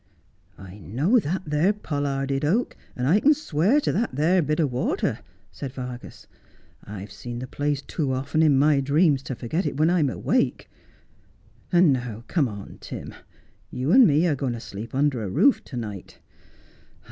' I know that there pollarded oak, and I can swear to that there bit of water,' said Vargas. ' I've seen the place too often in my dreams to forget it when I'm awake. And now, come on, Tim. You and me are going to sleep under a roof to night.